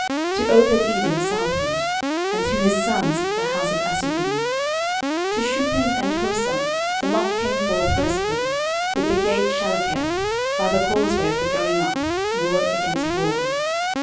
13:026:015 To Obededom southward; and to his sons the house of Asuppim. 13:026:016 To Shuppim and Hosah the lot came forth westward, with the gate Shallecheth, by the causeway of the going up, ward against ward.